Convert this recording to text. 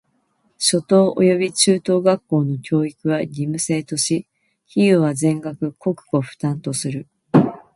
初等および中等学校の教育は義務制とし、費用は全額国庫負担とする。